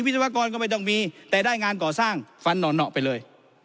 ศวกรก็ไม่ต้องมีแต่ได้งานก่อสร้างฟันหน่อไปเลย